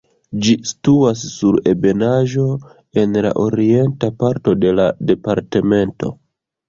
Ĝi situas sur ebenaĵo en la orienta parto de la departemento.